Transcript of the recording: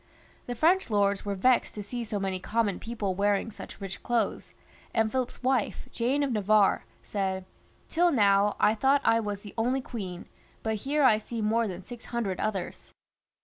The French lords were vexed to see so many common people wearing such rich clothes, and Philip's wife, Jane of Navarre, said, " Till now I thought I was the only queen, but here I see more than six hundred others."